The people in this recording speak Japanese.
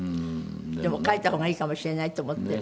でも書いた方がいいかもしれないって思ってる。